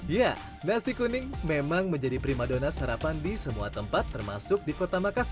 ya nasi kuning memang menjadi prima dona sarapan di semua tempat termasuk di kota makassar